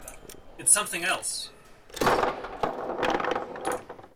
It's something else!!!